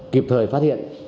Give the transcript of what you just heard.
kịp thời phát hiện